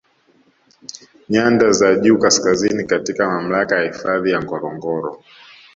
Nyanda za juu Kaskazini katika mamlaka ya hifadhi ya Ngorongoro